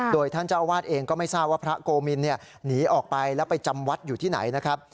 โดยท่านเจ้าอาวาสเองก็ไม่ทราบว่าพระโกมินหนีออกไปแล้วไปจำวัดอยู่ที่ไหนนะครับ